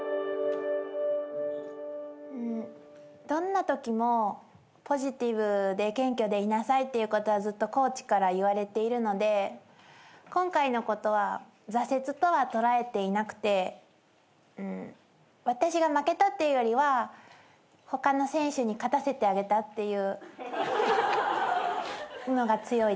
どんなときもポジティブで謙虚でいなさいっていうことはずっとコーチから言われているので今回のことは挫折とは捉えていなくて私が負けたっていうよりは他の選手に勝たせてあげたっていうのが強いです。